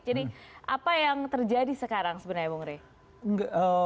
apa yang terjadi sekarang sebenarnya bung rey